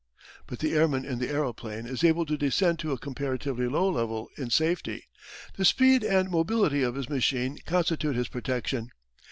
But the airman in the aeroplane is able to descend to a comparatively low level in safety. The speed and mobility of his machine constitute his protection.